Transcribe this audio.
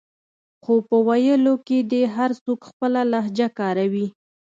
خو په ویلو کې دې هر څوک خپله لهجه کاروي